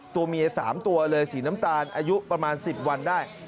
ตัวเมีย๓ตัวเลยสีน้ำตาลอายุประมาณ๑๐วันได้